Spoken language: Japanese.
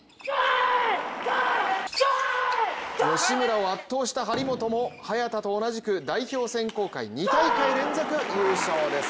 吉村を圧倒した張本も早田と同じく代表選考会２大会連続優勝です。